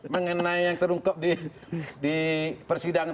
mengenai yang terungkap di persidangan